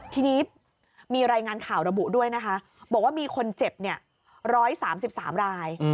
ทีนี้มีรายงานข่าวระบุด้วยนะคะบอกว่ามีคนเจ็บ๑๓๓ราย